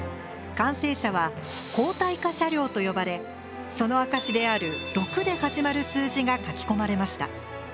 完成車は鋼体化車両と呼ばれその証しである「６」で始まる数字が書き込まれました。